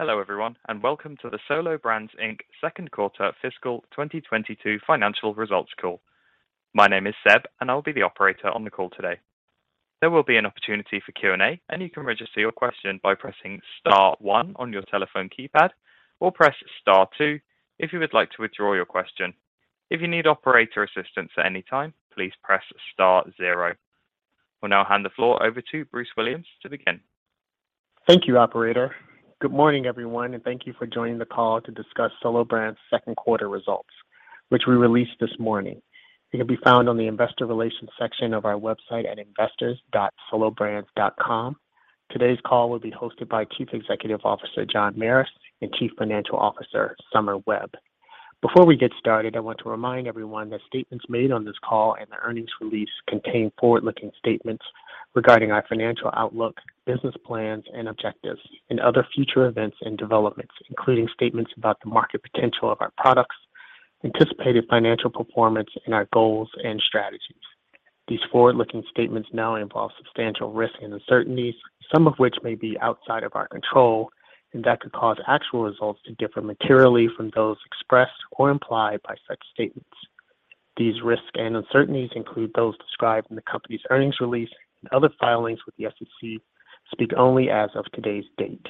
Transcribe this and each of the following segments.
Hello everyone, and welcome to the Solo Brands, Inc. second quarter fiscal 2022 financial results call. My name is Seb, and I'll be the operator on the call today. There will be an opportunity for Q&A, and you can register your question by pressing star one on your telephone keypad, or press star two if you would like to withdraw your question. If you need operator assistance at any time, please press star zero. I'll now hand the floor over to Bruce Williams to begin. Thank you, operator. Good morning, everyone, and thank you for joining the call to discuss Solo Brands second quarter results, which we released this morning. It can be found on the investor relations section of our website at investors.solobrands.com. Today's call will be hosted by Chief Executive Officer John Merris and Chief Financial Officer Somer Webb. Before we get started, I want to remind everyone that statements made on this call and the earnings release contain forward-looking statements regarding our financial outlook, business plans and objectives and other future events and developments, including statements about the market potential of our products, anticipated financial performance, and our goals and strategies. These forward-looking statements involve substantial risks and uncertainties, some of which may be outside of our control, and that could cause actual results to differ materially from those expressed or implied by such statements. These risks and uncertainties include those described in the company's earnings release and other filings with the SEC, speak only as of today's date.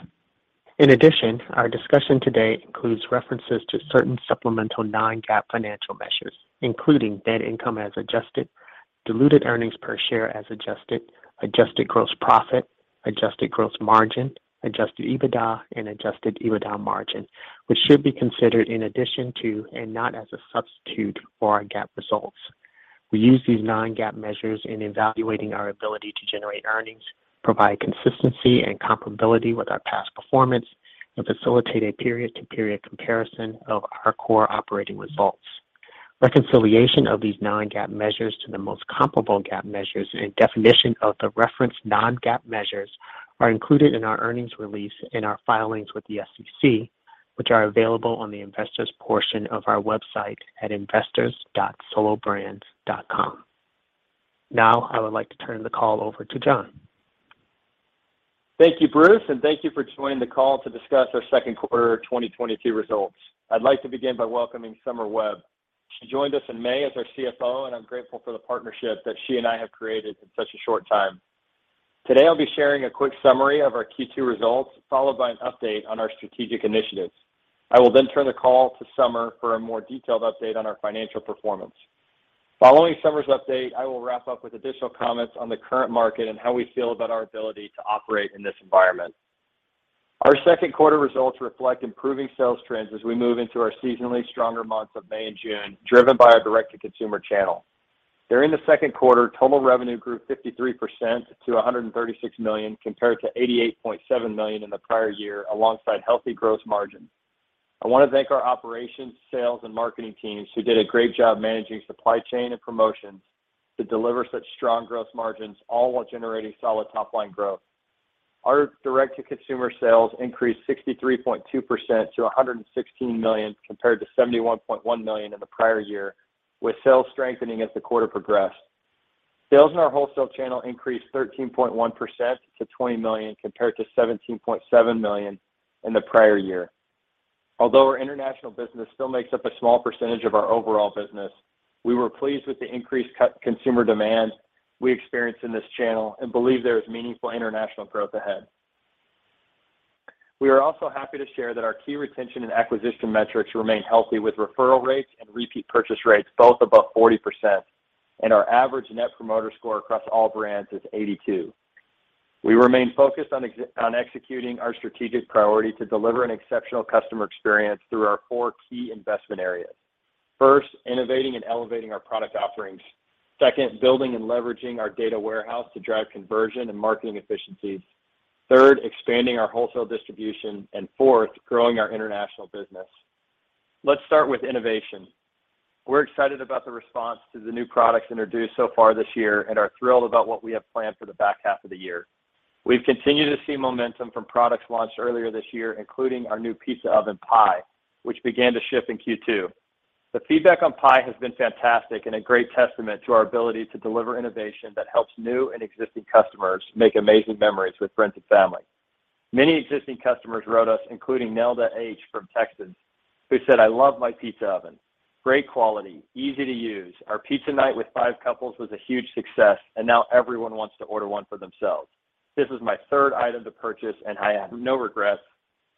In addition, our discussion today includes references to certain supplemental non-GAAP financial measures, including net income as adjusted, diluted earnings per share as adjusted gross profit, adjusted gross margin, Adjusted EBITDA and Adjusted EBITDA margin, which should be considered in addition to and not as a substitute for our GAAP results. We use these non-GAAP measures in evaluating our ability to generate earnings, provide consistency and comparability with our past performance, and facilitate a period-to-period comparison of our core operating results. Reconciliation of these non-GAAP measures to the most comparable GAAP measures and definition of the referenced non-GAAP measures are included in our earnings release and our filings with the SEC, which are available on the investors portion of our website at investors.solobrands.com. Now, I would like to turn the call over to John. Thank you, Bruce, and thank you for joining the call to discuss our second quarter 2022 results. I'd like to begin by welcoming Somer Webb. She joined us in May as our CFO, and I'm grateful for the partnership that she and I have created in such a short time. Today, I'll be sharing a quick summary of our Q2 results, followed by an update on our strategic initiatives. I will then turn the call to Somer for a more detailed update on our financial performance. Following Somer's update, I will wrap up with additional comments on the current market and how we feel about our ability to operate in this environment. Our second quarter results reflect improving sales trends as we move into our seasonally stronger months of May and June, driven by our direct-to-consumer channel. During the second quarter, total revenue grew 53% to $136 million, compared to $88.7 million in the prior year, alongside healthy gross margin. I want to thank our operations, sales, and marketing teams who did a great job managing supply chain and promotions to deliver such strong gross margins, all while generating solid top-line growth. Our direct-to-consumer sales increased 63.2% to $116 million, compared to $71.1 million in the prior year, with sales strengthening as the quarter progressed. Sales in our wholesale channel increased 13.1% to $20 million, compared to $17.7 million in the prior year. Although our international business still makes up a small percentage of our overall business, we were pleased with the increased consumer demand we experienced in this channel and believe there is meaningful international growth ahead. We are also happy to share that our key retention and acquisition metrics remain healthy, with referral rates and repeat purchase rates both above 40%, and our average Net Promoter Score across all brands is 82. We remain focused on executing our strategic priority to deliver an exceptional customer experience through our four key investment areas. First, innovating and elevating our product offerings. Second, building and leveraging our data warehouse to drive conversion and marketing efficiencies. Third, expanding our wholesale distribution. And fourth, growing our international business. Let's start with innovation. We're excited about the response to the new products introduced so far this year and are thrilled about what we have planned for the back half of the year. We've continued to see momentum from products launched earlier this year, including our new pizza oven, Pi, which began to ship in Q2. The feedback on Pi has been fantastic and a great testament to our ability to deliver innovation that helps new and existing customers make amazing memories with friends and family. Many existing customers wrote us, including Nelda H. from Texas, who said, "I love my pizza oven. Great quality, easy to use. Our pizza night with five couples was a huge success, and now everyone wants to order one for themselves. This is my third item to purchase, and I have no regrets.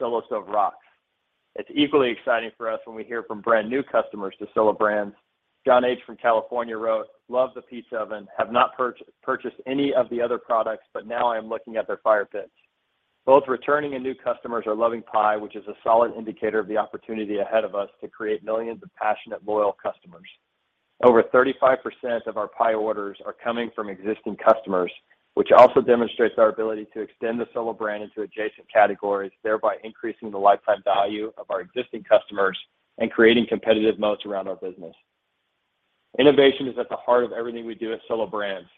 Solo Stove rocks." It's equally exciting for us when we hear from brand new customers to Solo Brands. John H. from California wrote, "Love the pizza oven. Have not purchased any of the other products, but now I am looking at their fire pits." Both returning and new customers are loving Pi, which is a solid indicator of the opportunity ahead of us to create millions of passionate, loyal customers. Over 35% of our Pi orders are coming from existing customers, which also demonstrates our ability to extend the Solo Brands into adjacent categories, thereby increasing the lifetime value of our existing customers and creating competitive moats around our business. Innovation is at the heart of everything we do at Solo Brands.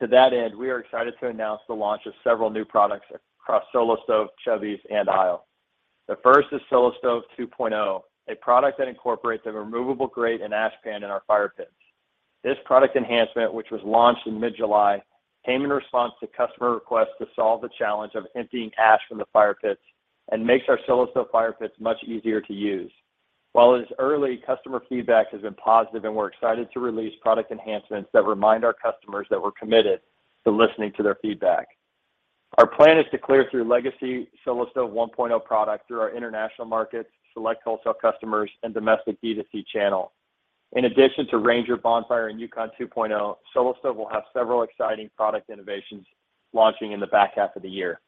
To that end, we are excited to announce the launch of several new products across Solo Stove, Chubbies, and ISLE. The first is Solo Stove 2.0, a product that incorporates a removable grate and ash pan in our fire pits. This product enhancement, which was launched in mid-July, came in response to customer requests to solve the challenge of emptying ash from the fire pits and makes our Solo Stove fire pits much easier to use. While it is early, customer feedback has been positive, and we're excited to release product enhancements that remind our customers that we're committed to listening to their feedback. Our plan is to clear through legacy Solo Stove 1.0 product through our international markets, select wholesale customers, and domestic D2C channel. In addition to Ranger, Bonfire, and Yukon 2.0, Solo Stove will have several exciting product innovations launching in the back half of the year.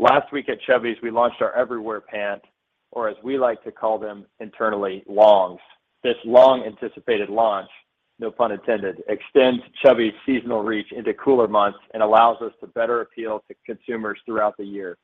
Last week at Chubbies, we launched our Everywhere Pant, or as we like to call them internally, Longs. This long-anticipated launch, no pun intended, extends Chubbies' seasonal reach into cooler months and allows us to better appeal to consumers throughout the year.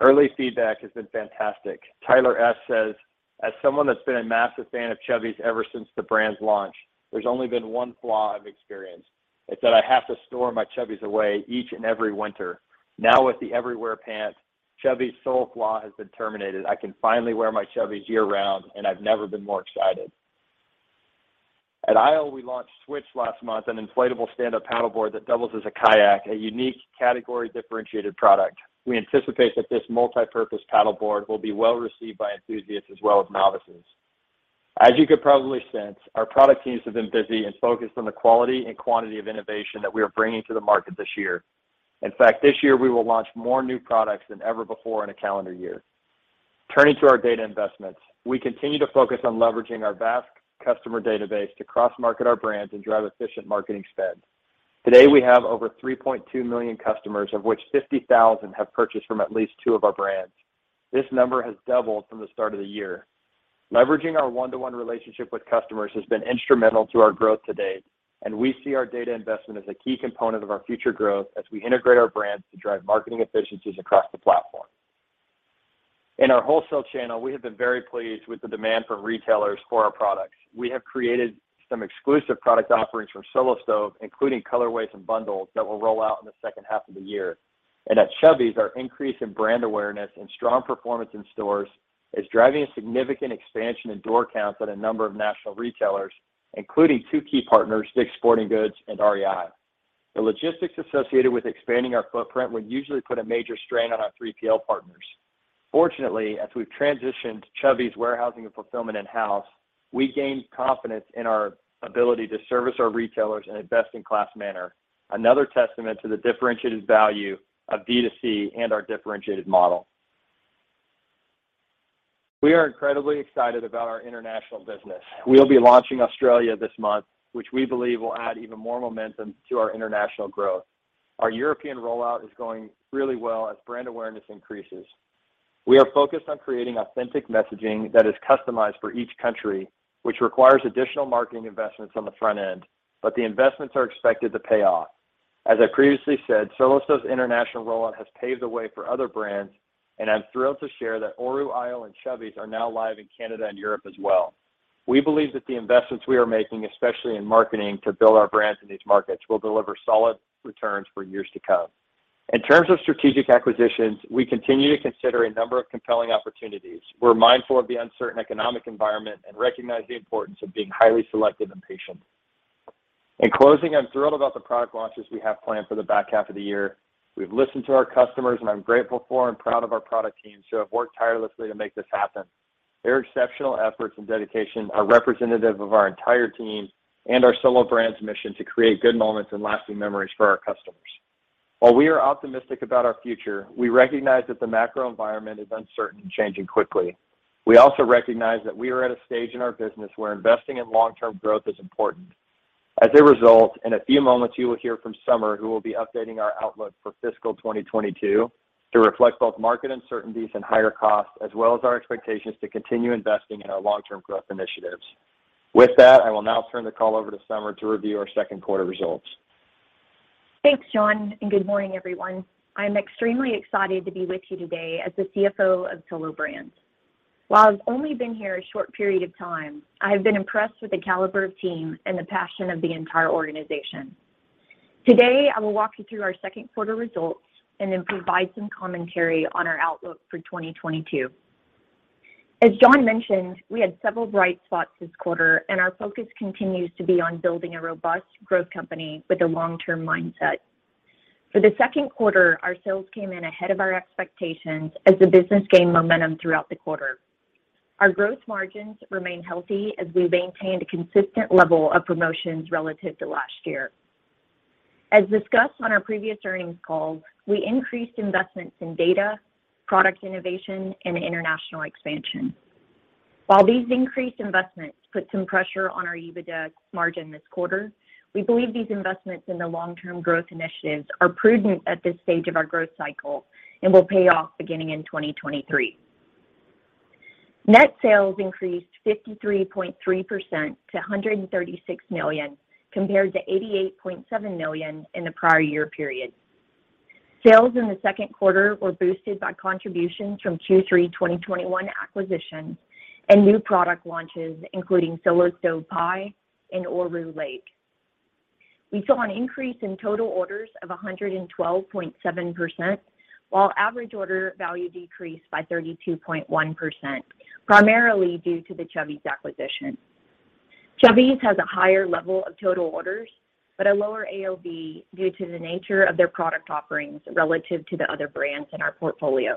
Early feedback has been fantastic. Tyler S. says, "As someone that's been a massive fan of Chubbies' ever since the brand's launch, there's only been one flaw I've experienced. It's that I have to store my Chubbies' away each and every winter. Now with the Everywhere Pant, Chubbies' sole flaw has been terminated. I can finally wear my Chubbies' year-round, and I've never been more excited." At ISLE, we launched Switch last month, an inflatable stand-up paddleboard that doubles as a kayak, a unique category-differentiated product. We anticipate that this multipurpose paddleboard will be well-received by enthusiasts as well as novices. As you can probably sense, our product teams have been busy and focused on the quality and quantity of innovation that we are bringing to the market this year. In fact, this year we will launch more new products than ever before in a calendar year. Turning to our data investments, we continue to focus on leveraging our vast customer database to cross-market our brands and drive efficient marketing spend. Today, we have over 3.2 million customers, of which 50,000 have purchased from at least two of our brands. This number has doubled from the start of the year. Leveraging our one-to-one relationship with customers has been instrumental to our growth to date, and we see our data investment as a key component of our future growth as we integrate our brands to drive marketing efficiencies across the platform. In our wholesale channel, we have been very pleased with the demand from retailers for our products. We have created some exclusive product offerings from Solo Stove, including colorways and bundles that will roll out in the second half of the year. At Chubbies, our increase in brand awareness and strong performance in stores is driving a significant expansion in door counts at a number of national retailers, including two key partners, Dick's Sporting Goods and REI. The logistics associated with expanding our footprint would usually put a major strain on our 3PL partners. Fortunately, as we've transitioned Chubbies warehousing and fulfillment in-house, we gained confidence in our ability to service our retailers in a best-in-class manner, another testament to the differentiated value of D2C and our differentiated model. We are incredibly excited about our international business. We'll be launching Australia this month, which we believe will add even more momentum to our international growth. Our European rollout is going really well as brand awareness increases. We are focused on creating authentic messaging that is customized for each country, which requires additional marketing investments on the front end, but the investments are expected to pay off. As I previously said, Solo Stove's international rollout has paved the way for other brands, and I'm thrilled to share that Oru, ISLE, and Chubbies are now live in Canada and Europe as well. We believe that the investments we are making, especially in marketing to build our brands in these markets, will deliver solid returns for years to come. In terms of strategic acquisitions, we continue to consider a number of compelling opportunities. We're mindful of the uncertain economic environment and recognize the importance of being highly selective and patient. In closing, I'm thrilled about the product launches we have planned for the back half of the year. We've listened to our customers, and I'm grateful for and proud of our product teams who have worked tirelessly to make this happen. Their exceptional efforts and dedication are representative of our entire team and our Solo Brands mission to create good moments and lasting memories for our customers. While we are optimistic about our future, we recognize that the macro environment is uncertain and changing quickly. We also recognize that we are at a stage in our business where investing in long-term growth is important. As a result, in a few moments, you will hear from Somer, who will be updating our outlook for fiscal 2022 to reflect both market uncertainties and higher costs, as well as our expectations to continue investing in our long-term growth initiatives. With that, I will now turn the call over to Somer to review our second quarter results. Thanks, John, and good morning, everyone. I'm extremely excited to be with you today as the CFO of Solo Brands. While I've only been here a short period of time, I have been impressed with the caliber of team and the passion of the entire organization. Today, I will walk you through our second quarter results and then provide some commentary on our outlook for 2022. As John mentioned, we had several bright spots this quarter, and our focus continues to be on building a robust growth company with a long-term mindset. For the second quarter, our sales came in ahead of our expectations as the business gained momentum throughout the quarter. Our growth margins remain healthy as we maintained a consistent level of promotions relative to last year. As discussed on our previous earnings call, we increased investments in data, product innovation, and international expansion. While these increased investments put some pressure on our EBITDA margin this quarter, we believe these investments in the long-term growth initiatives are prudent at this stage of our growth cycle and will pay off beginning in 2023. Net sales increased 53.3% to $136 million compared to $88.7 million in the prior year period. Sales in the second quarter were boosted by contributions from Q3 2021 acquisition and new product launches, including Solo Stove Pi and Oru Lake. We saw an increase in total orders of 112.7%, while average order value decreased by 32.1%, primarily due to the Chubbies acquisition. Chubbies has a higher level of total orders, but a lower AOV due to the nature of their product offerings relative to the other brands in our portfolio.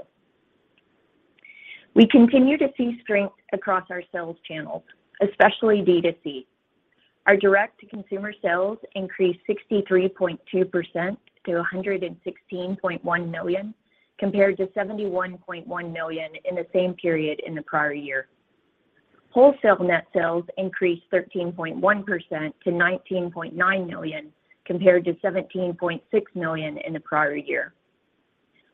We continue to see strength across our sales channels, especially D2C. Our direct-to-consumer sales increased 63.2% to $116.1 million, compared to $71.1 million in the same period in the prior year. Wholesale net sales increased 13.1% to $19.9 million, compared to $17.6 million in the prior year.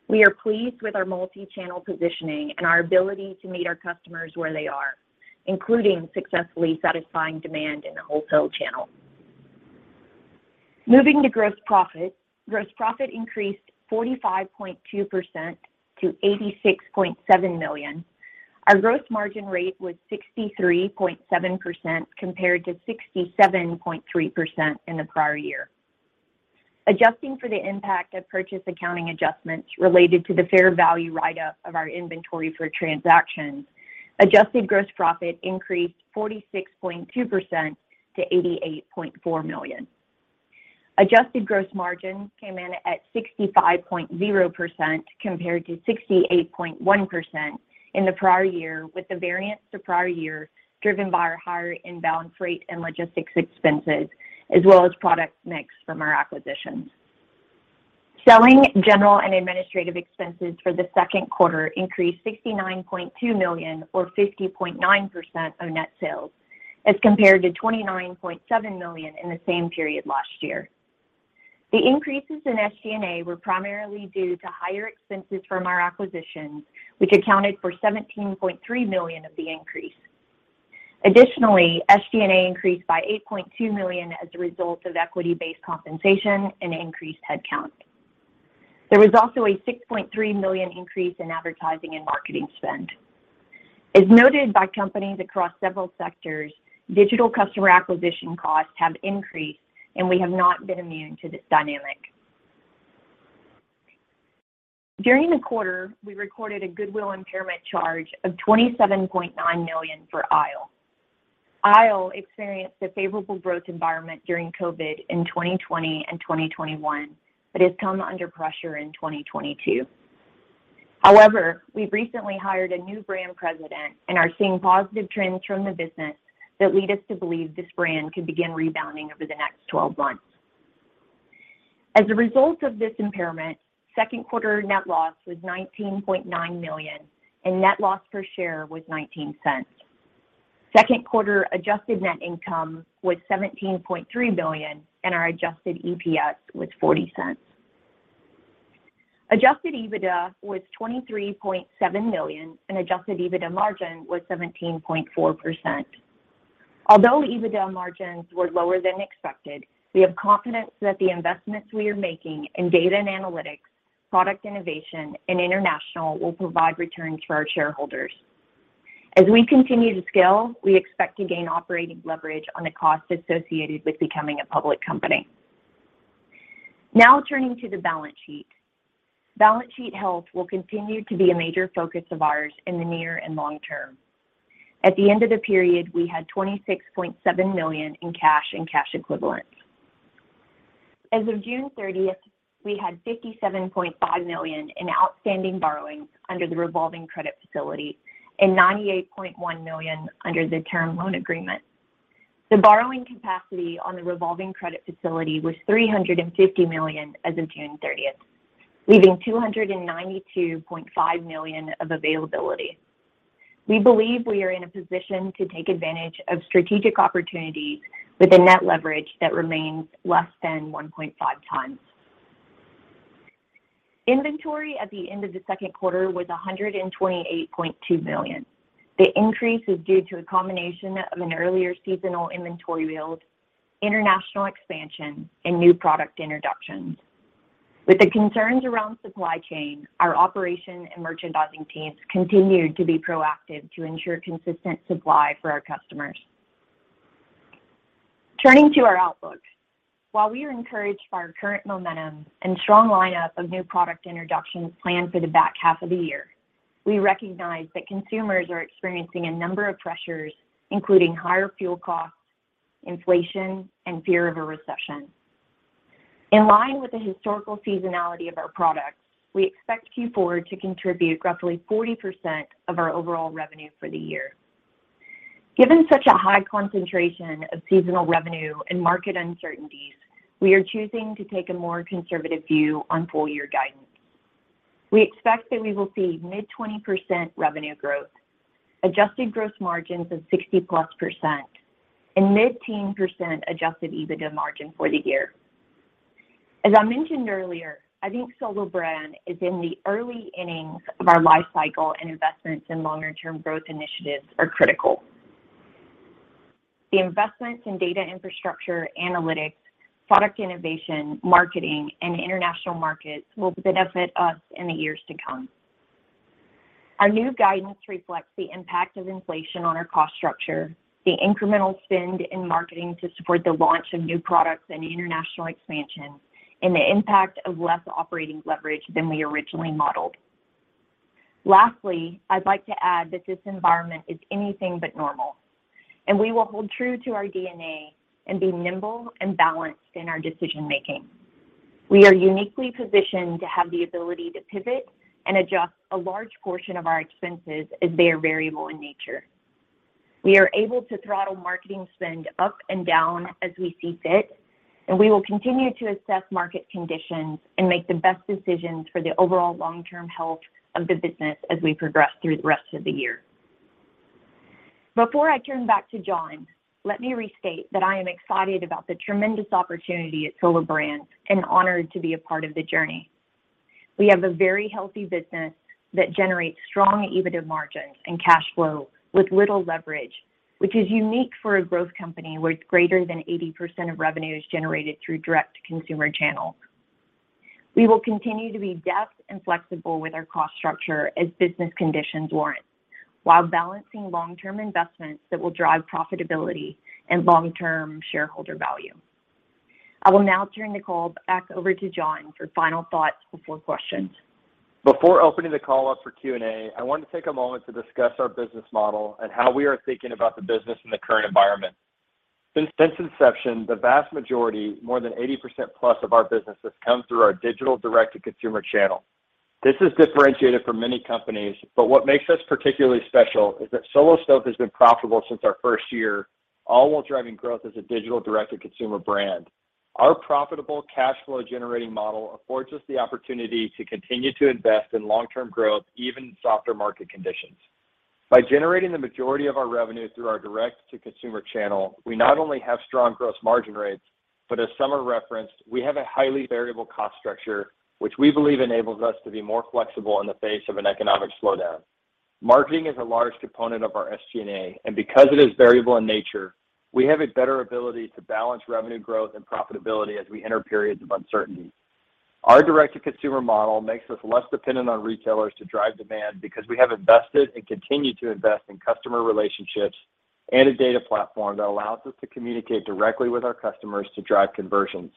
We are pleased with our multi-channel positioning and our ability to meet our customers where they are, including successfully satisfying demand in the wholesale channel. Moving to gross profit. Gross profit increased 45.2% to $86.7 million. Our gross margin rate was 63.7% compared to 67.3% in the prior year. Adjusting for the impact of purchase accounting adjustments related to the fair value write up of our inventory for transactions, adjusted gross profit increased 46.2% to $88.4 million. Adjusted gross margin came in at 65.0% compared to 68.1% in the prior year, with the variance to prior year driven by our higher inbound freight and logistics expenses, as well as product mix from our acquisitions. Selling, general, and administrative expenses for the second quarter increased $69.2 million or 50.9% of net sales as compared to $29.7 million in the same period last year. The increases in SG&A were primarily due to higher expenses from our acquisitions, which accounted for $17.3 million of the increase. SG&A increased by $8.2 million as a result of equity-based compensation and increased headcount. There was also a $6.3 million increase in advertising and marketing spend. As noted by companies across several sectors, digital customer acquisition costs have increased, and we have not been immune to this dynamic. During the quarter, we recorded a goodwill impairment charge of $27.9 million for ISLE. ISLE experienced a favorable growth environment during COVID in 2020 and 2021, but has come under pressure in 2022. However, we've recently hired a new brand president and are seeing positive trends from the business that lead us to believe this brand could begin rebounding over the next 12 months. As a result of this impairment, second quarter net loss was $19.9 million, and net loss per share was $0.19. Second quarter adjusted net income was $17.3 million, and our adjusted EPS was $0.40. Adjusted EBITDA was $23.7 million, and Adjusted EBITDA margin was 17.4%. Although EBITDA margins were lower than expected, we have confidence that the investments we are making in data and analytics, product innovation, and international will provide returns for our shareholders. As we continue to scale, we expect to gain operating leverage on the costs associated with becoming a public company. Now turning to the balance sheet. Balance sheet health will continue to be a major focus of ours in the near and long term. At the end of the period, we had $26.7 million in cash and cash equivalents. As of June 30, we had $57.5 million in outstanding borrowings under the revolving credit facility and $98.1 million under the term loan agreement. The borrowing capacity on the revolving credit facility was $350 million as of June 30, leaving $292.5 million of availability. We believe we are in a position to take advantage of strategic opportunities with a net leverage that remains less than 1.5x. Inventory at the end of the second quarter was $128.2 million. The increase is due to a combination of an earlier seasonal inventory build, international expansion, and new product introductions. With the concerns around supply chain, our operation and merchandising teams continued to be proactive to ensure consistent supply for our customers. Turning to our outlook. While we are encouraged by our current momentum and strong lineup of new product introductions planned for the back half of the year, we recognize that consumers are experiencing a number of pressures, including higher fuel costs, inflation, and fear of a recession. In line with the historical seasonality of our products, we expect Q4 to contribute roughly 40% of our overall revenue for the year. Given such a high concentration of seasonal revenue and market uncertainties, we are choosing to take a more conservative view on full year guidance. We expect that we will see mid-20% revenue growth, adjusted gross margins of 60+%, and mid-teen% Adjusted EBITDA margin for the year. As I mentioned earlier, I think Solo Brands is in the early innings of our life cycle, and investments in longer-term growth initiatives are critical. The investments in data infrastructure, analytics, product innovation, marketing, and international markets will benefit us in the years to come. Our new guidance reflects the impact of inflation on our cost structure, the incremental spend in marketing to support the launch of new products and international expansion, and the impact of less operating leverage than we originally modeled. Lastly, I'd like to add that this environment is anything but normal, and we will hold true to our DNA and be nimble and balanced in our decision-making. We are uniquely positioned to have the ability to pivot and adjust a large portion of our expenses as they are variable in nature. We are able to throttle marketing spend up and down as we see fit, and we will continue to assess market conditions and make the best decisions for the overall long-term health of the business as we progress through the rest of the year. Before I turn back to John, let me restate that I am excited about the tremendous opportunity at Solo Brands and honored to be a part of the journey. We have a very healthy business that generates strong EBITDA margins and cash flow with little leverage, which is unique for a growth company where it's greater than 80% of revenue is generated through direct-to-consumer channels. We will continue to be deft and flexible with our cost structure as business conditions warrant while balancing long-term investments that will drive profitability and long-term shareholder value. I will now turn the call back over to John for final thoughts before questions. Before opening the call up for Q&A, I want to take a moment to discuss our business model and how we are thinking about the business in the current environment. Since inception, the vast majority, more than 80% plus of our business, has come through our digital direct-to-consumer channel. This is differentiated from many companies, but what makes us particularly special is that Solo Stove has been profitable since our first year, all while driving growth as a digital direct-to-consumer brand. Our profitable cash flow generating model affords us the opportunity to continue to invest in long-term growth, even in softer market conditions. By generating the majority of our revenue through our direct-to-consumer channel, we not only have strong gross margin rates, but as Somer referenced, we have a highly variable cost structure, which we believe enables us to be more flexible in the face of an economic slowdown. Marketing is a large component of our SG&A, and because it is variable in nature, we have a better ability to balance revenue growth and profitability as we enter periods of uncertainty. Our direct-to-consumer model makes us less dependent on retailers to drive demand because we have invested and continue to invest in customer relationships and a data platform that allows us to communicate directly with our customers to drive conversions.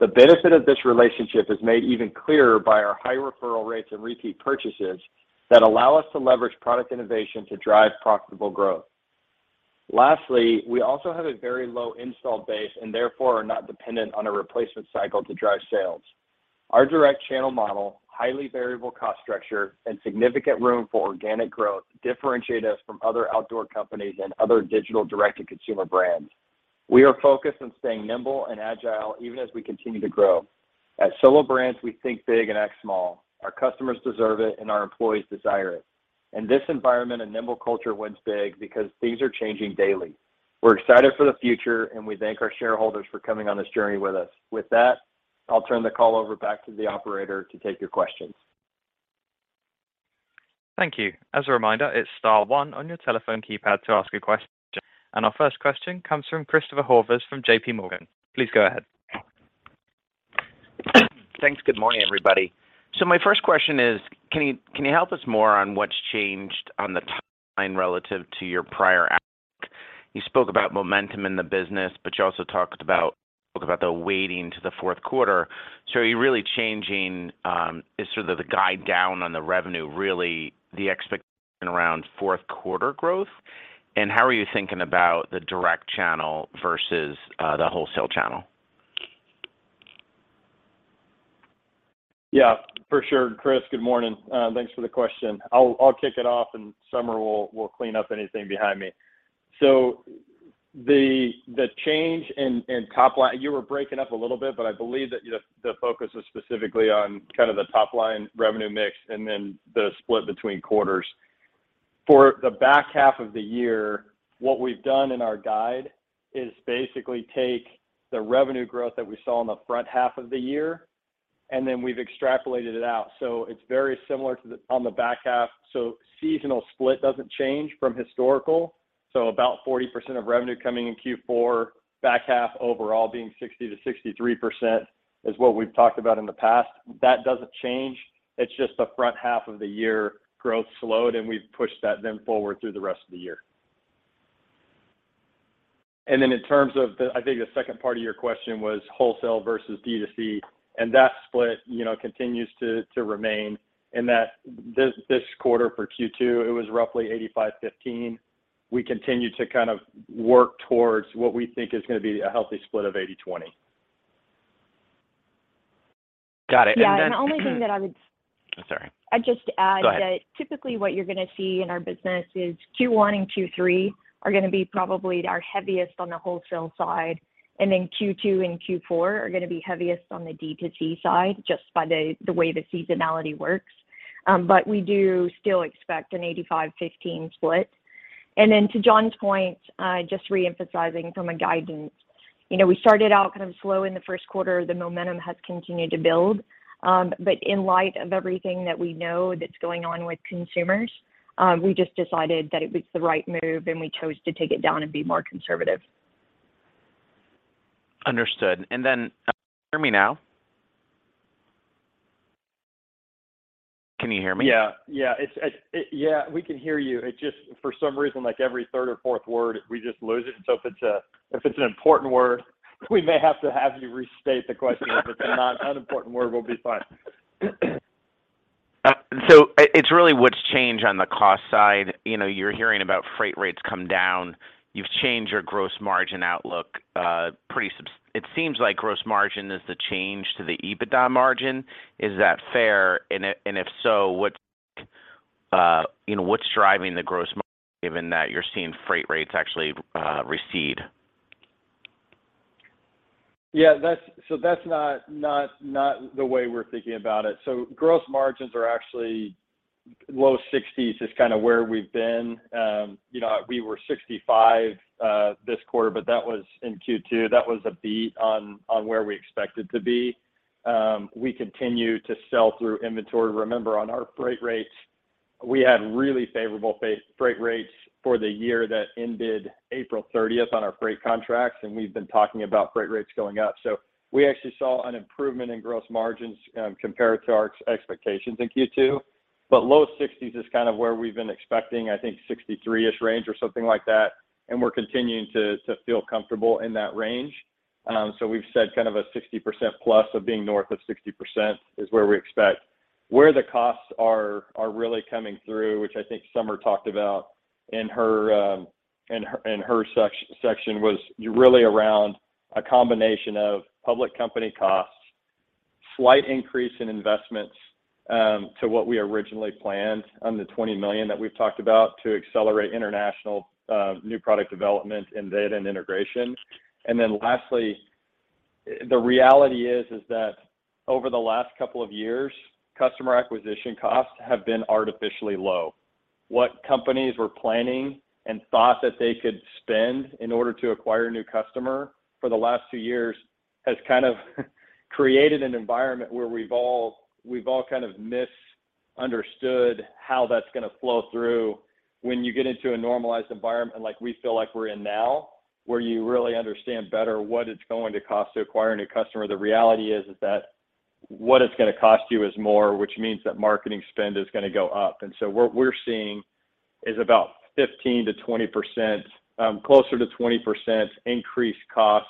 The benefit of this relationship is made even clearer by our high referral rates and repeat purchases that allow us to leverage product innovation to drive profitable growth. Lastly, we also have a very low installed base and therefore are not dependent on a replacement cycle to drive sales. Our direct channel model, highly variable cost structure, and significant room for organic growth differentiate us from other outdoor companies and other digital direct-to-consumer brands. We are focused on staying nimble and agile even as we continue to grow. At Solo Brands, we think big and act small. Our customers deserve it and our employees desire it. In this environment, a nimble culture wins big because things are changing daily. We're excited for the future, and we thank our shareholders for coming on this journey with us. With that, I'll turn the call over to the operator to take your questions. Thank you. As a reminder, it's star one on your telephone keypad to ask a question. Our first question comes from Chris Horvath from JPMorgan. Please go ahead. Thanks. Good morning, everybody. My first question is, can you help us more on what's changed on the timeline relative to your prior outlook? You spoke about momentum in the business, but you also talked about the weighting to the fourth quarter. Are you really changing, is sort of the guide down on the revenue really the expectation around fourth quarter growth? And how are you thinking about the direct channel versus the wholesale channel? Yeah, for sure. Chris, good morning. Thanks for the question. I'll kick it off and Somer will clean up anything behind me. The change in top line. You were breaking up a little bit, but I believe that the focus was specifically on kind of the top line revenue mix and then the split between quarters. For the back half of the year, what we've done in our guide is basically take the revenue growth that we saw in the front half of the year, and then we've extrapolated it out. It's very similar to the one on the back half. Seasonal split doesn't change from historical. About 40% of revenue coming in Q4, back half overall being 60%-63% is what we've talked about in the past. That doesn't change. It's just the first half of the year growth slowed, and we've pushed that then forward through the rest of the year. In terms of the, I think the second part of your question was wholesale versus D2C, and that split, you know, continues to remain in that this quarter for Q2, it was roughly 85/15. We continue to kind of work towards what we think is gonna be a healthy split of 80/20. Got it. Yeah. The only thing that I would. Oh, sorry. I'd just add that. Go ahead. Typically what you're gonna see in our business is Q1 and Q3 are gonna be probably our heaviest on the wholesale side, and then Q2 and Q4 are gonna be heaviest on the D2C side, just by the way the seasonality works. But we do still expect an 85/15 split. Then to John's point, just re-emphasizing from our guidance, you know, we started out kind of slow in the first quarter. The momentum has continued to build. But in light of everything that we know that's going on with consumers, we just decided that it was the right move, and we chose to take it down and be more conservative. Understood. Can you hear me now? Can you hear me? Yeah, we can hear you. It just, for some reason, like every third or fourth word, we just lose it. So if it's an important word, we may have to have you restate the question. If it's not an unimportant word, we'll be fine. It's really what's changed on the cost side. You know, you're hearing about freight rates come down. You've changed your gross margin outlook. It seems like gross margin is the change to the EBITDA margin. Is that fair? If so, what, you know, what's driving the gross margin given that you're seeing freight rates actually recede? Yeah, that's not the way we're thinking about it. Gross margins are actually low 60s% kinda where we've been. You know, we were 65% this quarter, but that was in Q2. That was a beat on where we expected to be. We continue to sell through inventory. Remember, on our freight rates, we had really favorable freight rates for the year that ended April 30th on our freight contracts, and we've been talking about freight rates going up. We actually saw an improvement in gross margins compared to our expectations in Q2. Low 60s% is kind of where we've been expecting, I think 63-ish% range or something like that, and we're continuing to feel comfortable in that range. We've said kind of a 60%+ of being north of 60% is where we expect. Where the costs are really coming through, which I think Somer talked about in her section, was really around a combination of public company costs, slight increase in investments to what we originally planned on the $20 million that we've talked about to accelerate international new product development and data and integration. Then lastly, the reality is that over the last couple of years, customer acquisition costs have been artificially low. What companies were planning and thought that they could spend in order to acquire a new customer for the last two years has kind of created an environment where we've all kind of misunderstood how that's gonna flow through when you get into a normalized environment like we feel like we're in now, where you really understand better what it's going to cost to acquire a new customer. The reality is that what it's gonna cost you is more, which means that marketing spend is gonna go up. What we're seeing is about 15%-20%, closer to 20% increased cost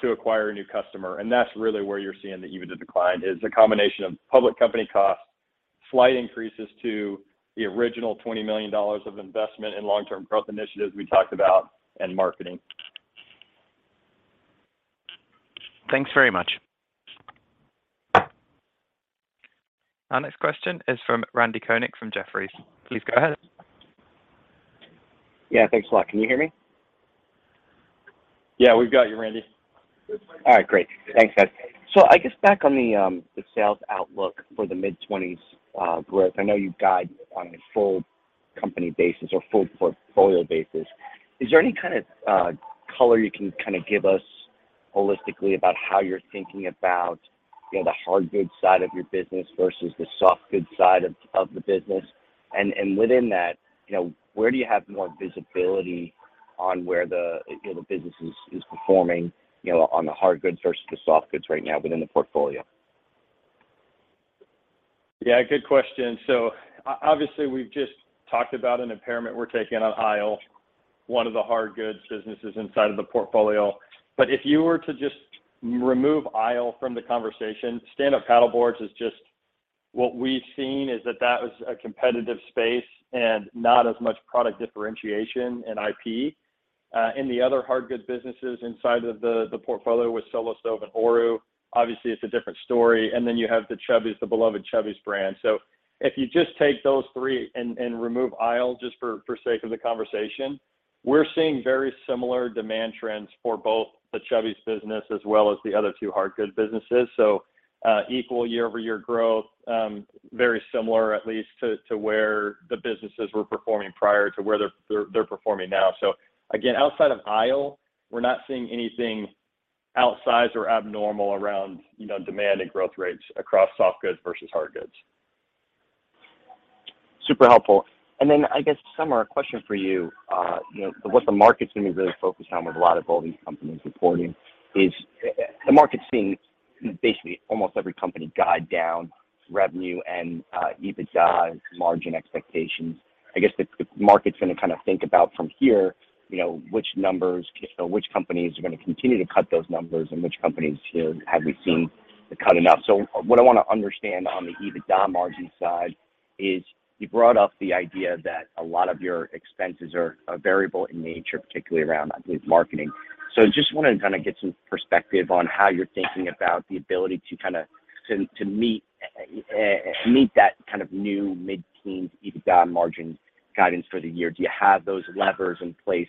to acquire a new customer. That's really where you're seeing the EBITDA decline, is the combination of public company costs, slight increases to the original $20 million of investment in long-term growth initiatives we talked about, and marketing. Thanks very much. Our next question is from Randy Konik from Jefferies. Please go ahead. Yeah. Thanks a lot. Can you hear me? Yeah. We've got you, Randy. All right. Great. Thanks, guys. I guess back on the sales outlook for the mid-twenties growth. I know you've got on a full company basis or full portfolio basis. Is there any kind of color you can kinda give us holistically about how you're thinking about, you know, the hard goods side of your business versus the soft goods side of the business? Within that, you know, where do you have more visibility on where the, you know, the business is performing, you know, on the hard goods versus the soft goods right now within the portfolio? Yeah, good question. Obviously, we've just talked about an impairment we're taking on ISLE, one of the hard goods businesses inside of the portfolio. If you were to just remove ISLE from the conversation, stand up paddleboards is just what we've seen is that that was a competitive space and not as much product differentiation in IP. In the other hard goods businesses inside of the portfolio with Solo Stove and Oru, obviously, it's a different story. Then you have the Chubbies, the beloved Chubbies brand. If you just take those three and remove ISLE just for sake of the conversation, we're seeing very similar demand trends for both the Chubbies business as well as the other two hard good businesses. equal year-over-year growth, very similar at least to where the businesses were performing prior to where they're performing now. Again, outside of ISLE, we're not seeing anything outsized or abnormal around, you know, demand and growth rates across soft goods versus hard goods. Super helpful. I guess, Somer, a question for you. You know, what the market's gonna really focus on with a lot of all these companies reporting is the market's seeing basically almost every company guide down revenue and EBITDA margin expectations. I guess the market's gonna kinda think about from here, you know, which numbers, you know, which companies are gonna continue to cut those numbers and which companies here have we seen the cutting up. What I wanna understand on the EBITDA margin side is you brought up the idea that a lot of your expenses are variable in nature, particularly around, I believe, marketing. Just wanna kinda get some perspective on how you're thinking about the ability to to meet that kind of new mid-teen EBITDA margin guidance for the year. Do you have those levers in place,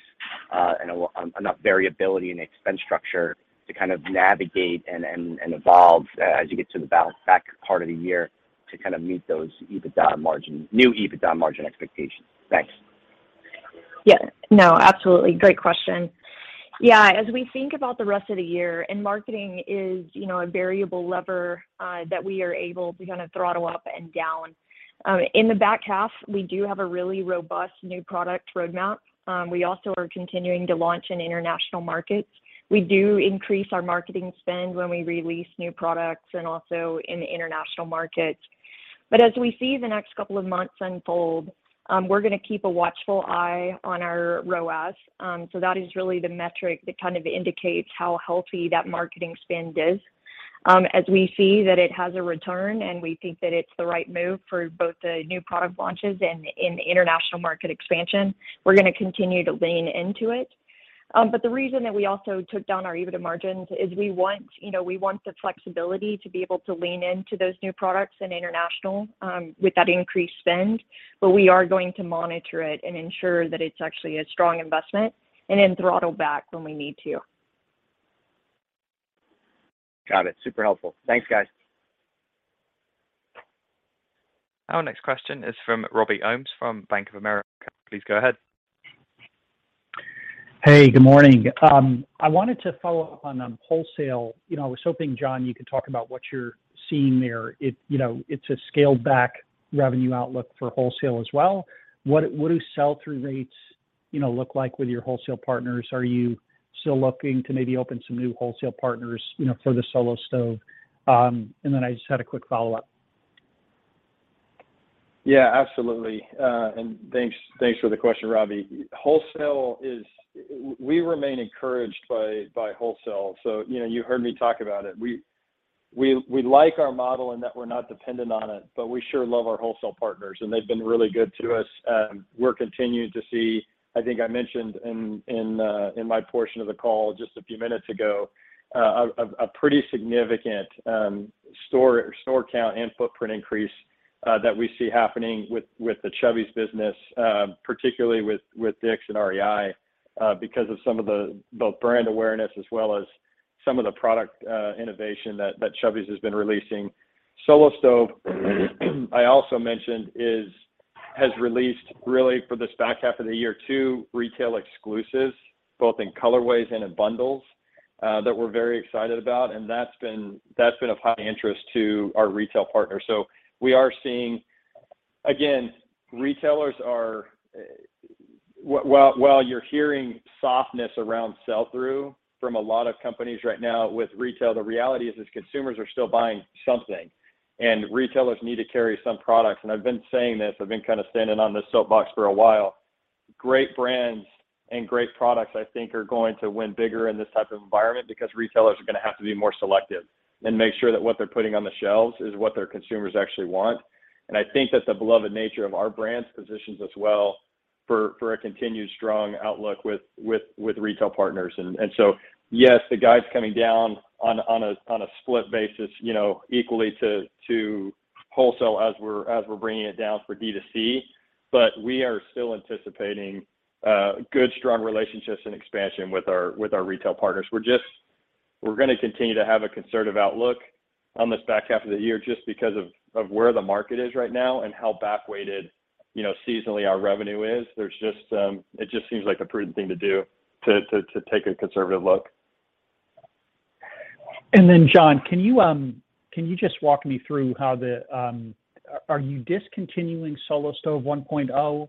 and enough variability in the expense structure to kind of navigate and evolve as you get to the back part of the year to kind of meet those EBITDA margin, new EBITDA margin expectations? Thanks. Yeah. No, absolutely. Great question. Yeah. As we think about the rest of the year and marketing is, you know, a variable lever that we are able to kinda throttle up and down. In the back half, we do have a really robust new product roadmap. We also are continuing to launch in international markets. We do increase our marketing spend when we release new products and also in the international markets. As we see the next couple of months unfold, we're gonna keep a watchful eye on our ROAS. That is really the metric that kind of indicates how healthy that marketing spend is. As we see that it has a return and we think that it's the right move for both the new product launches and in the international market expansion, we're gonna continue to lean into it. The reason that we also took down our EBITDA margins is we want, you know, we want the flexibility to be able to lean into those new products in international, with that increased spend. We are going to monitor it and ensure that it's actually a strong investment and then throttle back when we need to. Got it. Super helpful. Thanks, guys. Our next question is from Robbie Ohmes from Bank of America. Please go ahead. Hey, good morning. I wanted to follow up on wholesale. You know, I was hoping, John, you could talk about what you're seeing there. It, you know, it's a scaled back revenue outlook for wholesale as well. What do sell-through rates, you know, look like with your wholesale partners? Are you still looking to maybe open some new wholesale partners, you know, for the Solo Stove? I just had a quick follow-up. Yeah, absolutely. Thanks for the question, Robbie. We remain encouraged by wholesale. You know, you heard me talk about it. We like our model in that we're not dependent on it, but we sure love our wholesale partners, and they've been really good to us. We're continuing to see, I think I mentioned in my portion of the call just a few minutes ago, a pretty significant store count and footprint increase that we see happening with the Chubbies business, particularly with Dick's and REI, because of some of the brand awareness as well as some of the product innovation that Chubbies has been releasing. Solo Stove, I also mentioned, has released really for this back half of the year, two retail exclusives, both in colorways and in bundles, that we're very excited about, and that's been of high interest to our retail partners. We are seeing. Again, retailers are while you're hearing softness around sell-through from a lot of companies right now with retail, the reality is consumers are still buying something, and retailers need to carry some products. I've been saying this, I've been kind of standing on this soapbox for a while. Great brands and great products I think are going to win bigger in this type of environment because retailers are gonna have to be more selective and make sure that what they're putting on the shelves is what their consumers actually want. I think that the beloved nature of our brands positions us well for a continued strong outlook with retail partners. Yes, the guide's coming down on a split basis, you know, equally to wholesale as we're bringing it down for D2C. We are still anticipating good strong relationships and expansion with our retail partners. We're gonna continue to have a conservative outlook on this back half of the year just because of where the market is right now and how back-weighted, you know, seasonally our revenue is. There's just. It just seems like the prudent thing to do to take a conservative look. John, are you discontinuing Solo Stove 1.0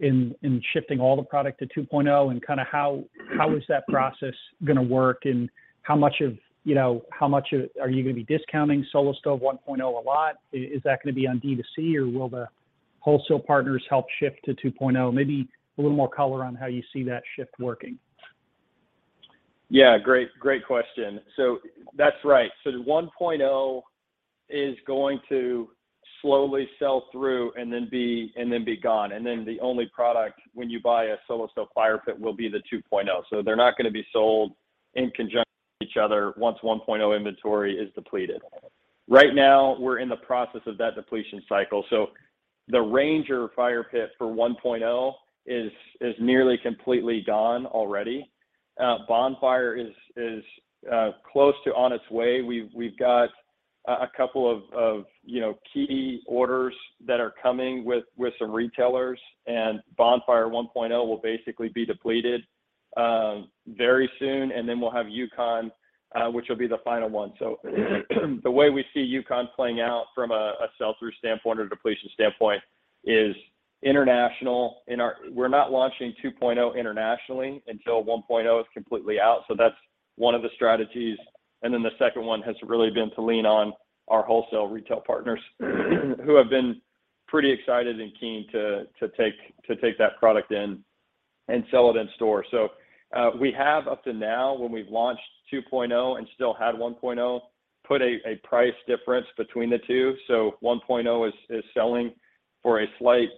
and shifting all the product to 2.0, and kind of how is that process gonna work? Are you gonna be discounting Solo Stove 1.0 a lot? Is that gonna be on D2C, or will the wholesale partners help shift to 2.0? Maybe a little more color on how you see that shift working. Yeah. Great question. That's right. The 1.0 is going to slowly sell through and then be gone. The only product when you buy a Solo Stove fire pit will be the 2.0. They're not gonna be sold in conjunction with each other once 1.0 inventory is depleted. Right now, we're in the process of that depletion cycle. The Ranger fire pit for 1.0 is nearly completely gone already. Bonfire is close to on its way. We've got a couple of, you know, key orders that are coming with some retailers, and Bonfire 1.0 will basically be depleted very soon, and then we'll have Yukon, which will be the final one. The way we see Yukon playing out from a sell-through standpoint or depletion standpoint is international. We're not launching two point O internationally until one point O is completely out, so that's one of the strategies. Then the second one has really been to lean on our wholesale retail partners who have been pretty excited and keen to take that product in and sell it in store. We have up to now, when we've launched two point O and still had one point O, put a price difference between the two. One point O is selling for a slight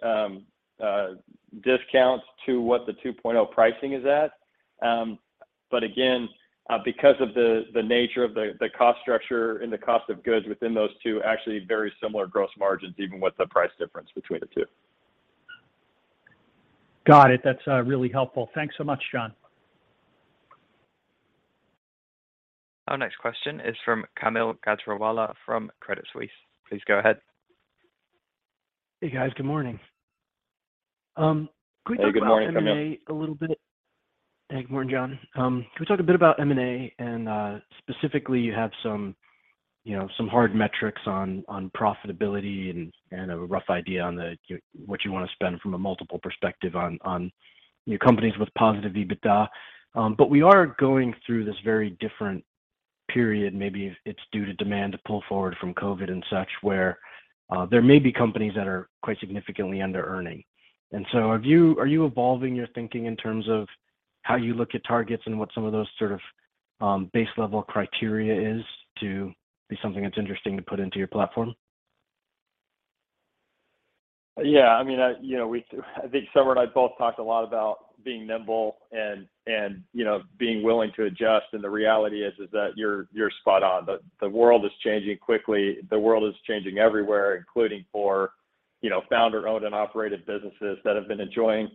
discount to what the two point O pricing is at. Again, because of the nature of the cost structure and the cost of goods within those two, actually very similar gross margins, even with the price difference between the two. Got it. That's really helpful. Thanks so much, John. Our next question is from Kaumil Gajrawala from Credit Suisse. Please go ahead. Hey, guys. Good morning. Could we talk about M&A a little bit? Hey, good morning, Kaumil. Hey, good morning, John. Can we talk a bit about M&A? Specifically, you have some hard metrics on profitability and a rough idea on what you wanna spend from a multiple perspective on new companies with positive EBITDA. We are going through this very different period, maybe it's due to demand pull forward from COVID and such, where there may be companies that are quite significantly under-earning. Are you evolving your thinking in terms of how you look at targets and what some of those sort of base level criteria is to be something that's interesting to put into your platform? Yeah. I mean, you know, I think Somer and I both talked a lot about being nimble and, you know, being willing to adjust. The reality is that you're spot on. The world is changing quickly. The world is changing everywhere, including for, you know, founder-owned and operated businesses that have been enjoying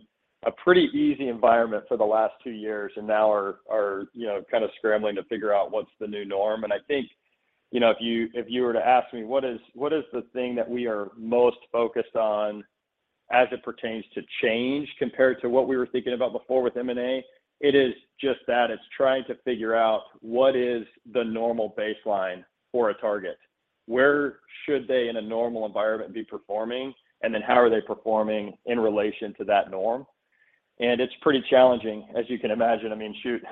a pretty easy environment for the last two years, and now are, you know, kind of scrambling to figure out what's the new norm. I think, you know, if you were to ask me, what is the thing that we are most focused on as it pertains to change compared to what we were thinking about before with M&A? It is just that. It's trying to figure out what is the normal baseline for a target. Where should they, in a normal environment, be performing? Then how are they performing in relation to that norm? It's pretty challenging, as you can imagine. I mean, shoot,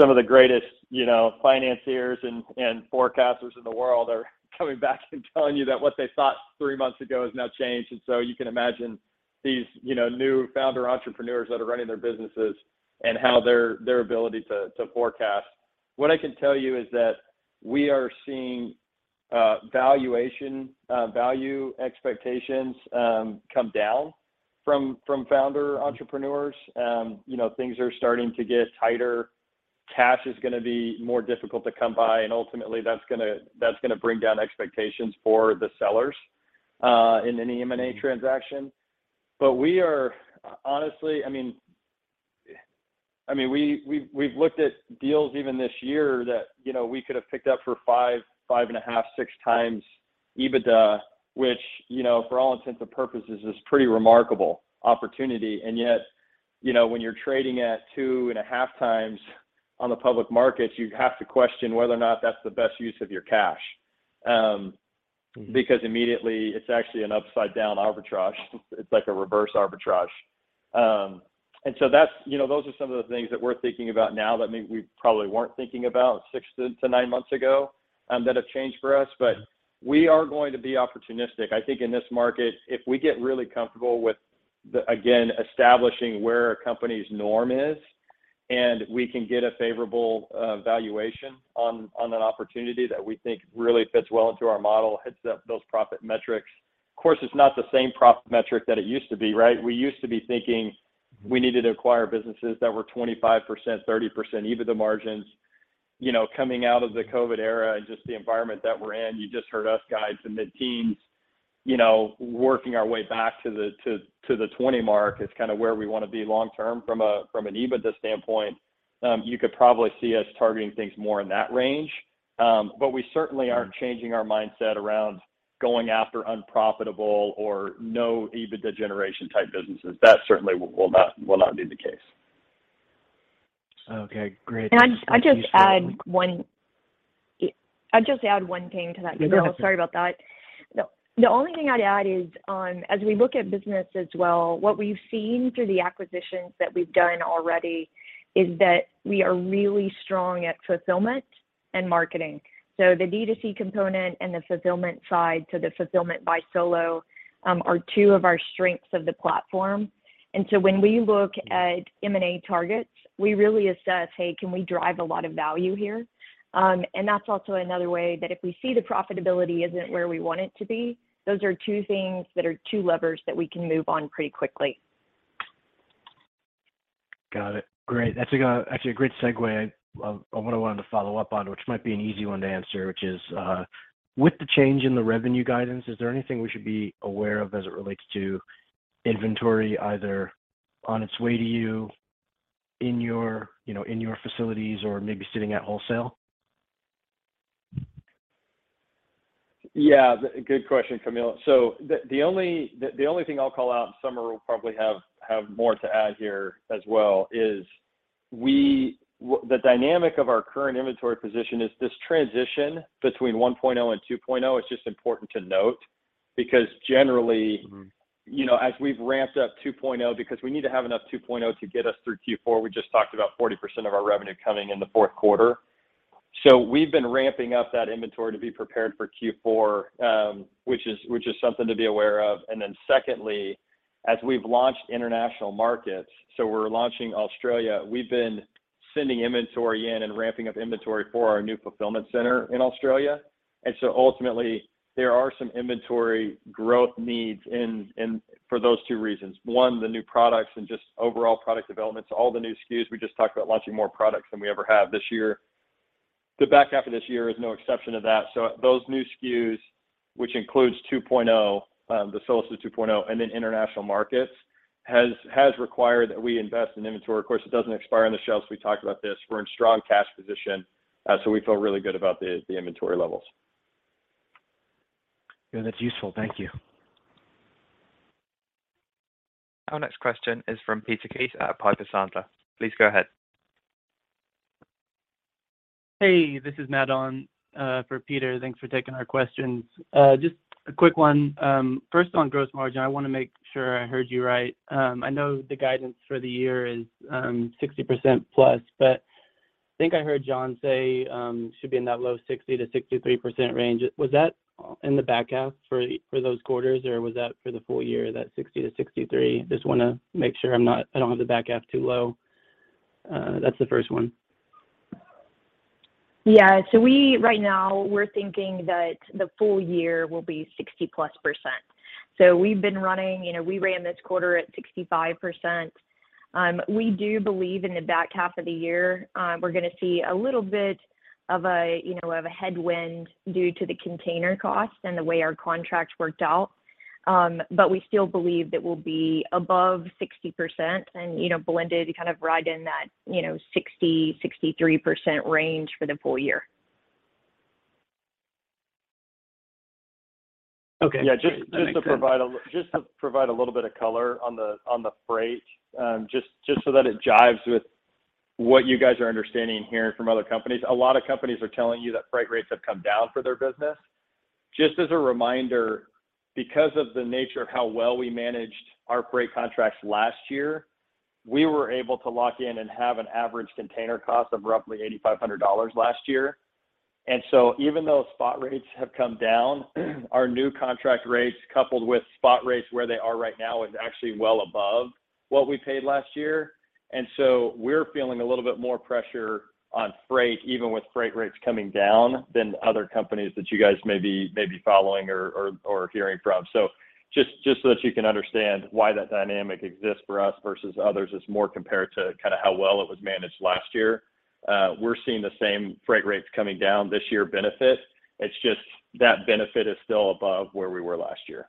some of the greatest, you know, financiers and forecasters in the world are coming back and telling you that what they thought three months ago has now changed. So you can imagine these, you know, new founder entrepreneurs that are running their businesses and how their ability to forecast. What I can tell you is that we are seeing valuation value expectations come down from founder entrepreneurs. You know, things are starting to get tighter. Cash is gonna be more difficult to come by, and ultimately that's gonna bring down expectations for the sellers in any M&A transaction. We are... Honestly, I mean, we've looked at deals even this year that, you know, we could have picked up for 5.5, 6x EBITDA, which, you know, for all intents and purposes is pretty remarkable opportunity. Yet, you know, when you're trading at 2.5x on the public markets, you have to question whether or not that's the best use of your cash. Because immediately it's actually an upside down arbitrage. It's like a reverse arbitrage. That's, you know, those are some of the things that we're thinking about now that maybe we probably weren't thinking about six-nine months ago, that have changed for us. We are going to be opportunistic. I think in this market, if we get really comfortable with, again, establishing where a company's norm is, and we can get a favorable valuation on an opportunity that we think really fits well into our model, hits those profit metrics. Of course, it's not the same profit metric that it used to be, right? We used to be thinking we needed to acquire businesses that were 25%, 30% EBITDA margins. You know, coming out of the COVID era and just the environment that we're in, you just heard us guide to mid-teens%. You know, working our way back to the 20% mark is kind of where we wanna be long term from an EBITDA standpoint. You could probably see us targeting things more in that range. We certainly aren't changing our mindset around going after unprofitable or no EBITDA generation type businesses. That certainly will not be the case. Okay, great. That's useful. I'd just add one thing to that, Kaumil. Yeah, go for it. Sorry about that. The only thing I'd add is, as we look at the business as well, what we've seen through the acquisitions that we've done already is that we are really strong at fulfillment and marketing. The D2C component and the fulfillment side, so the fulfillment by Solo, are two of our strengths of the platform. When we look at M&A targets, we really assess, hey, can we drive a lot of value here? That's also another way that if we see the profitability isn't where we want it to be, those are two things that are two levers that we can move on pretty quickly. Got it. Great. That's actually a great segue of what I wanted to follow up on, which might be an easy one to answer, which is, with the change in the revenue guidance, is there anything we should be aware of as it relates to inventory, either on its way to you, in your, you know, in your facilities, or maybe sitting at wholesale? Yeah. Good question, Kaumil. The only thing I'll call out, and Somer will probably have more to add here as well, is the dynamic of our current inventory position is this transition between 1.0 and 2.0. It's just important to note because generally. You know, as we've ramped up 2.0, because we need to have enough 2.0 to get us through Q4, we just talked about 40% of our revenue coming in the fourth quarter. We've been ramping up that inventory to be prepared for Q4, which is something to be aware of. Then secondly, as we've launched international markets, we're launching Australia, we've been sending inventory in and ramping up inventory for our new fulfillment center in Australia. Ultimately, there are some inventory growth needs for those two reasons. One, the new products and just overall product developments, all the new SKUs. We just talked about launching more products than we ever have this year. The back half of this year is no exception to that. Those new SKUs, which includes 2.0, the Solo 2.0, and then international markets, has required that we invest in inventory. Of course, it doesn't expire on the shelves. We talked about this. We're in strong cash position, so we feel really good about the inventory levels. Yeah, that's useful. Thank you. Our next question is from Peter Keith at Piper Sandler. Please go ahead. Hey, this is Matt on for Peter. Thanks for taking our questions. Just a quick one. First on gross margin, I wanna make sure I heard you right. I know the guidance for the year is 60% plus, but I think I heard John say should be in that low 60%-63% range. Was that in the back half for those quarters, or was that for the full year, that 60%-63%? Just wanna make sure I don't have the back half too low. That's the first one. Yeah. Right now we're thinking that the full year will be 60%+. We've been running, you know, we ran this quarter at 65%. We do believe in the back half of the year, we're gonna see a little bit of a, you know, headwind due to the container costs and the way our contracts worked out. But we still believe it will be above 60% and, you know, blended kind of right in that, you know, 60%-63% range for the full year. Okay. Yeah, just to provide a little bit of color on the freight so that it jives with what you guys are understanding and hearing from other companies. A lot of companies are telling you that freight rates have come down for their business. Just as a reminder, because of the nature of how well we managed our freight contracts last year, we were able to lock in and have an average container cost of roughly $8,500 last year. Even though spot rates have come down, our new contract rates coupled with spot rates where they are right now is actually well above what we paid last year. We're feeling a little bit more pressure on freight, even with freight rates coming down, than other companies that you guys may be following or hearing from. Just so that you can understand why that dynamic exists for us versus others, it's more compared to kinda how well it was managed last year. We're seeing the same freight rates coming down this year benefit. It's just that benefit is still above where we were last year.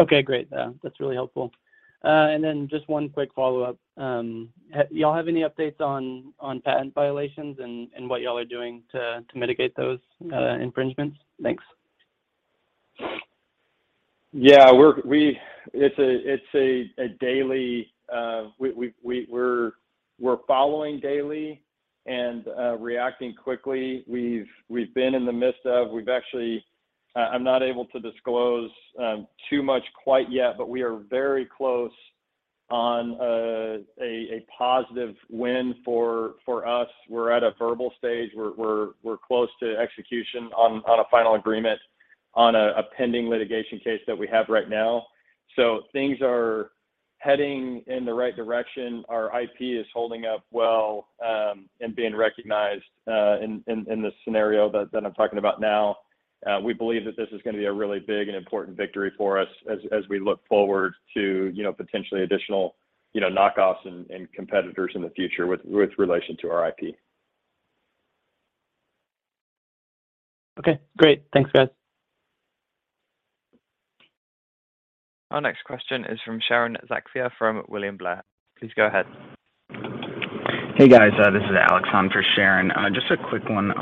Okay, great. That's really helpful. Just one quick follow-up. Y'all have any updates on patent violations and what y'all are doing to mitigate those infringements? Thanks. Yeah. It's a daily. We're following daily and reacting quickly. I'm not able to disclose too much quite yet, but we are very close on a positive win for us. We're at a verbal stage. We're close to execution on a final agreement on a pending litigation case that we have right now. Things are heading in the right direction. Our IP is holding up well and being recognized in the scenario that I'm talking about now. We believe that this is gonna be a really big and important victory for us as we look forward to, you know, potentially additional, you know, knockoffs and competitors in the future with relation to our IP. Okay, great. Thanks, guys. Our next question is from Sharon Zackfia from William Blair. Please go ahead. Hey, guys. This is Alex on for Sharon Zackfia. Just a quick one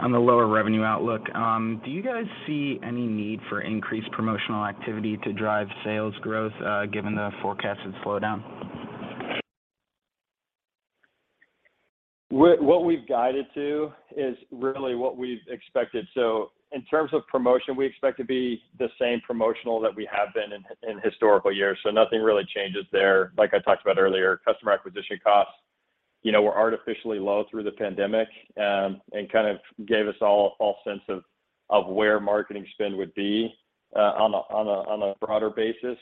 on the lower revenue outlook. Do you guys see any need for increased promotional activity to drive sales growth, given the forecasted slowdown? What we've guided to is really what we've expected. In terms of promotion, we expect to be the same promotional that we have been in historical years. Nothing really changes there. Like I talked about earlier, customer acquisition costs, you know, were artificially low through the pandemic, and kind of gave us all false sense of where marketing spend would be on a broader basis.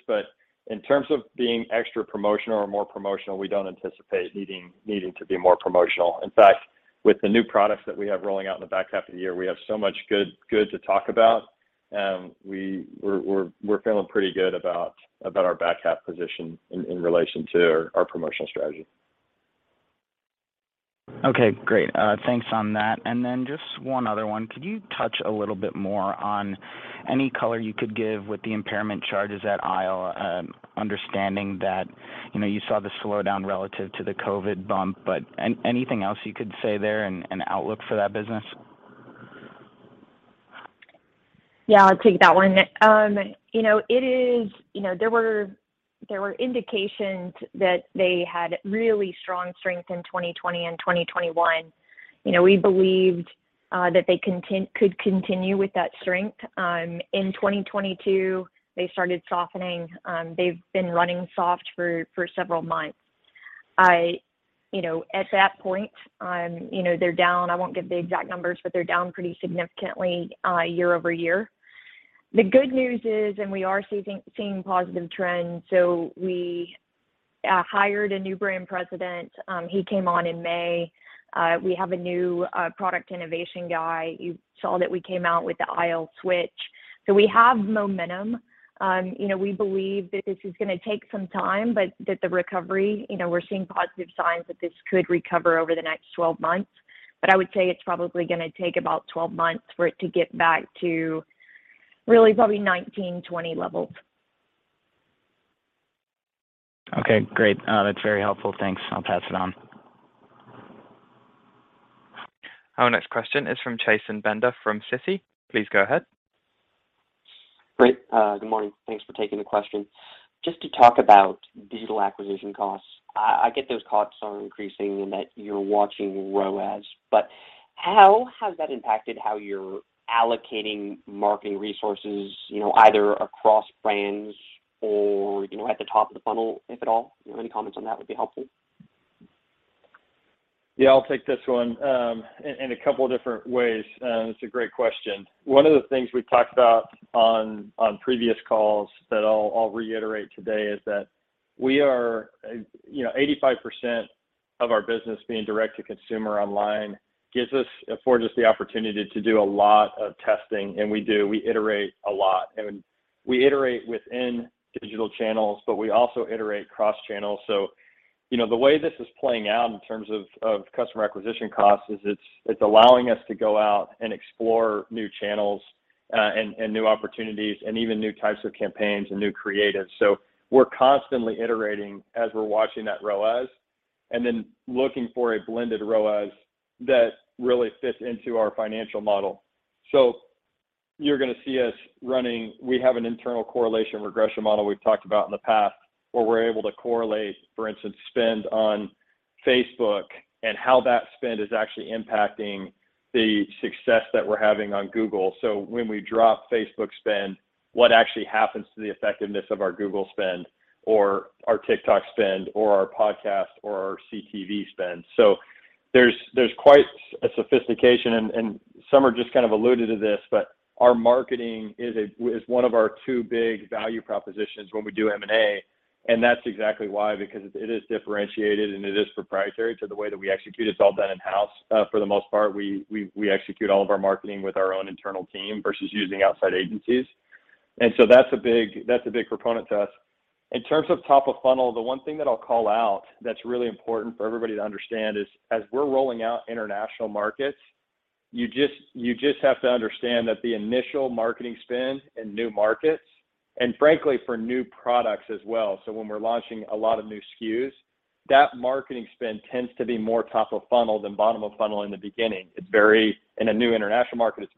In terms of being extra promotional or more promotional, we don't anticipate needing to be more promotional. In fact, with the new products that we have rolling out in the back half of the year, we have so much good to talk about. We're feeling pretty good about our back half position in relation to our promotional strategy. Okay, great. Thanks on that. Just one other one. Could you touch a little bit more on any color you could give with the impairment charges at ISLE, understanding that, you know, you saw the slowdown relative to the COVID bump, but anything else you could say there and outlook for that business? Yeah, I'll take that one. You know, it is. You know, there were indications that they had really strong strength in 2020 and 2021. You know, we believed that they could continue with that strength. In 2022, they started softening. They've been running soft for several months. You know, at that point, you know, they're down. I won't give the exact numbers, but they're down pretty significantly year-over-year. The good news is, we are seeing positive trends, so we hired a new brand president. He came on in May. We have a new product innovation guy. You saw that we came out with the ISLE Switch. So we have momentum. You know, we believe that this is gonna take some time, but that the recovery, you know, we're seeing positive signs that this could recover over the next 12 months. I would say it's probably gonna take about 12 months for it to get back to really probably 19, 20 levels. Okay, great. That's very helpful. Thanks. I'll pass it on. Our next question is from Chasen Bender from Citi. Please go ahead. Great. Good morning. Thanks for taking the question. Just to talk about digital acquisition costs, I get those costs are increasing and that you're watching ROAS, but how has that impacted how you're allocating marketing resources, you know, either across brands or, you know, at the top of the funnel, if at all? You know, any comments on that would be helpful. Yeah, I'll take this one. In a couple different ways, it's a great question. One of the things we've talked about on previous calls that I'll reiterate today is that we are, you know, 85% of our business being direct to consumer online gives us, affords us the opportunity to do a lot of testing, and we do. We iterate a lot. We iterate within digital channels, but we also iterate cross-channel. The way this is playing out in terms of customer acquisition costs is it's allowing us to go out and explore new channels, and new opportunities, and even new types of campaigns and new creatives. We're constantly iterating as we're watching that ROAS, and then looking for a blended ROAS that really fits into our financial model. You're gonna see us. We have an internal correlation regression model we've talked about in the past, where we're able to correlate, for instance, spend on Facebook and how that spend is actually impacting the success that we're having on Google. When we drop Facebook spend, what actually happens to the effectiveness of our Google spend or our TikTok spend or our podcast or our CTV spend? There's quite a sophistication and someone just kind of alluded to this, but our marketing is one of our two big value propositions when we do M&A, and that's exactly why, because it is differentiated and it is proprietary to the way that we execute. It's all done in-house, for the most part. We execute all of our marketing with our own internal team versus using outside agencies. That's a big proponent to us. In terms of top of funnel, the one thing that I'll call out that's really important for everybody to understand is as we're rolling out international markets, you just have to understand that the initial marketing spend in new markets, and frankly for new products as well, so when we're launching a lot of new SKUs, that marketing spend tends to be more top of funnel than bottom of funnel in the beginning. It's very brand building in a new international market,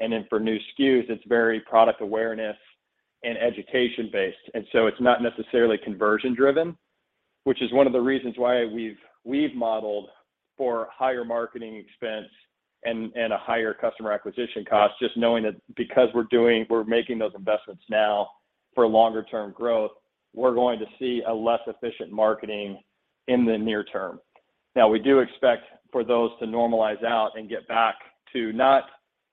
and then for new SKUs, it's very product awareness and education based. It's not necessarily conversion driven, which is one of the reasons why we've modeled for higher marketing expense and a higher customer acquisition cost, just knowing that because we're making those investments now for longer term growth, we're going to see a less efficient marketing in the near term. Now, we do expect for those to normalize out and get back to not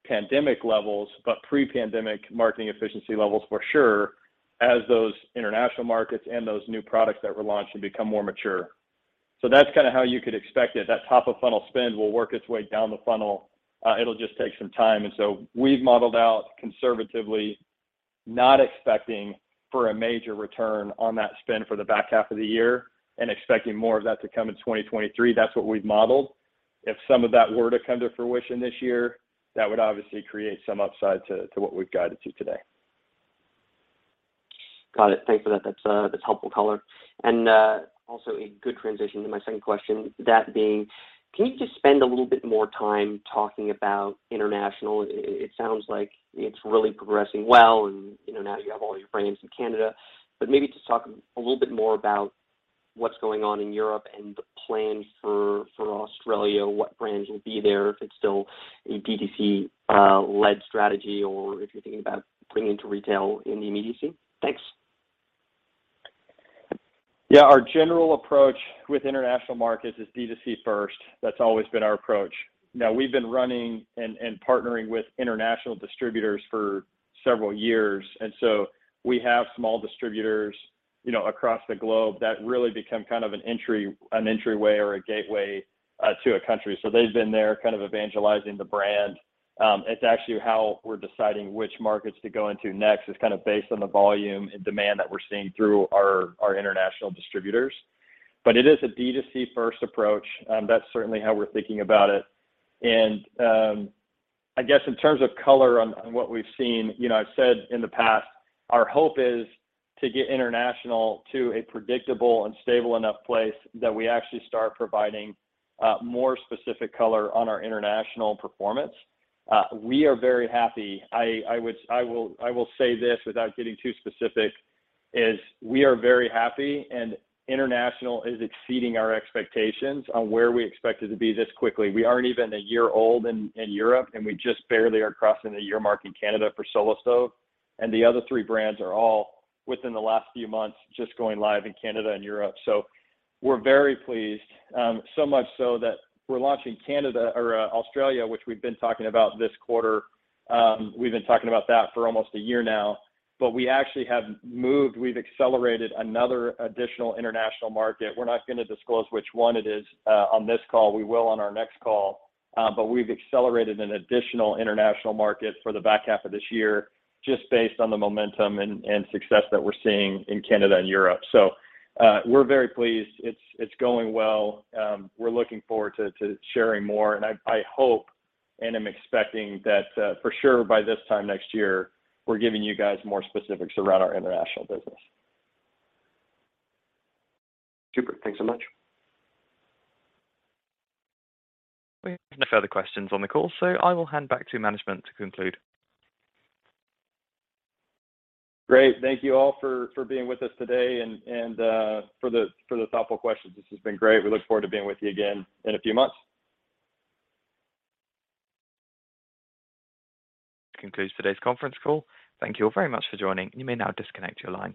pandemic levels, but pre-pandemic marketing efficiency levels for sure as those international markets and those new products that we're launching become more mature. That's kinda how you could expect it. That top of funnel spend will work its way down the funnel. It'll just take some time. We've modeled out conservatively, not expecting for a major return on that spend for the back half of the year and expecting more of that to come in 2023. That's what we've modeled. If some of that were to come to fruition this year, that would obviously create some upside to what we've guided to today. Got it. Thanks for that. That's helpful color. Also a good transition to my second question, that being, can you just spend a little bit more time talking about international? It sounds like it's really progressing well, and you know, now you have all your brands in Canada. Maybe just talk a little bit more about what's going on in Europe and the plans for Australia, what brands will be there, if it's still a D2C led strategy, or if you're thinking about bringing to retail in the immediacy. Thanks. Yeah. Our general approach with international markets is D2C first. That's always been our approach. Now, we've been running and partnering with international distributors for several years, and so we have small distributors, you know, across the globe that really become kind of an entryway or a gateway to a country. So they've been there kind of evangelizing the brand. It's actually how we're deciding which markets to go into next. It's kind of based on the volume and demand that we're seeing through our international distributors. But it is a D2C first approach. That's certainly how we're thinking about it. I guess in terms of color on what we've seen, you know, I've said in the past, our hope is to get international to a predictable and stable enough place that we actually start providing more specific color on our international performance. We are very happy. I would, I will say this without getting too specific, is we are very happy, and international is exceeding our expectations on where we expect it to be this quickly. We aren't even a year old in Europe, and we just barely are crossing the year mark in Canada for Solo Stove, and the other three brands are all within the last few months just going live in Canada and Europe. We're very pleased, so much so that we're launching Australia, which we've been talking about this quarter. We've been talking about that for almost a year now, but we actually have moved. We've accelerated another additional international market. We're not gonna disclose which one it is, on this call. We will on our next call. We've accelerated an additional international market for the back half of this year just based on the momentum and success that we're seeing in Canada and Europe. We're very pleased. It's going well. We're looking forward to sharing more, and I hope and I'm expecting that, for sure by this time next year, we're giving you guys more specifics around our international business. Super. Thanks so much. We have no further questions on the call, so I will hand back to management to conclude. Great. Thank you all for being with us today and for the thoughtful questions. This has been great. We look forward to being with you again in a few months. Concludes today's conference call. Thank you all very much for joining. You may now disconnect your line.